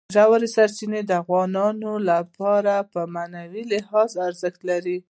ژورې سرچینې د افغانانو لپاره په معنوي لحاظ ارزښت لري.